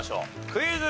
クイズ。